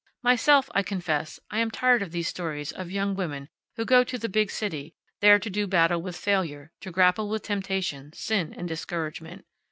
Myself, I confess I am tired of these stories of young women who go to the big city, there to do battle with failure, to grapple with temptation, sin and discouragement.